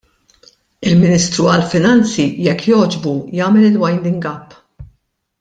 Il-Ministru għall-Finanzi, jekk jogħġbu, jagħmel il-winding up.